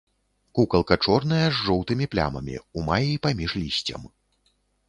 Кукалка чорная з жоўтымі плямамі, у маі паміж лісцем.